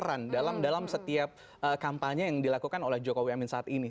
mereka mengikuti untuk berperan dalam setiap kampanye yang dilakukan oleh jokowi amin saat ini